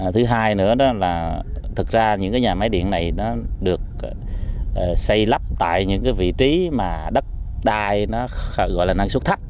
thứ hai nữa là thật ra những nhà máy điện này được xây lắp tại những vị trí mà đất đai nó gọi là năng suất thấp